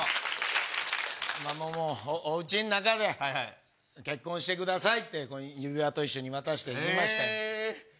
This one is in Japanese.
おうちの中で結婚してくださいって指輪と一緒に渡してあげました。